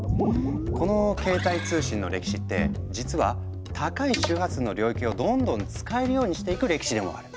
この携帯通信の歴史って実は高い周波数の領域をどんどん使えるようにしていく歴史でもある。